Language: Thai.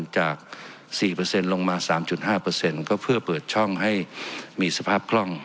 จากสี่เปอร์เซ็นต์ลงมาสามจุดห้าเปอร์เซ็นต์ก็เพื่อเปิดช่องให้มีสภาพคล่อง